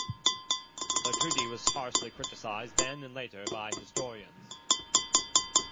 The treaty was harshly criticised, then and later, by historians.